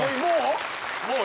もう？